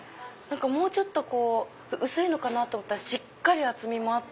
もうちょっと薄いのかと思ったらしっかり厚みもあって。